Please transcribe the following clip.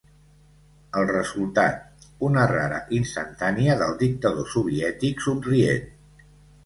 El resultat: una rara instantània del dictador soviètic somrient.